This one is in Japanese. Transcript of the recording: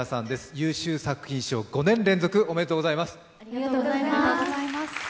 優秀作品賞、５年連続おめでとうございます。